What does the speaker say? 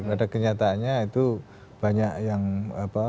pada kenyataannya itu banyak yang apa